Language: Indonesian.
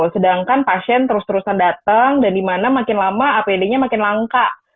sedangkan pasien terus terusan datang dan dimana makin lama apd nya makin langka